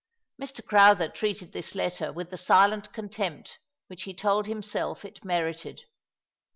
Mr. Crowther treated this letter with the silent contempt which he told himself it merited.